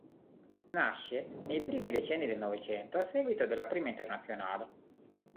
Nasce nei primi decenni del Novecento a seguito della Prima Internazionale.